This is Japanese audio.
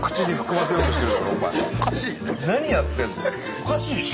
おかしいでしょ。